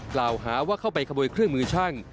กล่าวหาว่าเข้าไปขโมยเครื่องมือช่าง